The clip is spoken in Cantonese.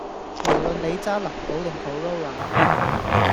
無論你揸林寶定 corolla